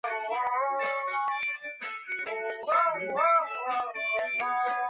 南泰利耶市是瑞典中东部斯德哥尔摩省的一个自治市。